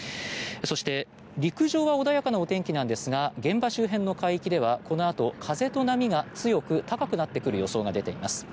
そして、陸上は穏やかなお天気なんですが現場周辺の海域ではこのあと風と波が強く、高くなってくる予想が出ています。